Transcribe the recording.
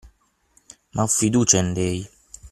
Ma ho fiducia in lei!